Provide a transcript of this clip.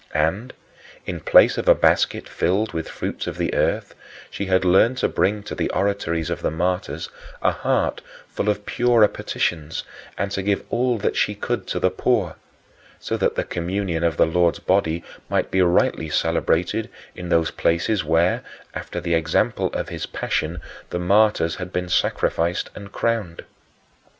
And, in place of a basket filled with fruits of the earth, she had learned to bring to the oratories of the martyrs a heart full of purer petitions, and to give all that she could to the poor so that the Communion of the Lord's body might be rightly celebrated in those places where, after the example of his Passion, the martyrs had been sacrificed and crowned.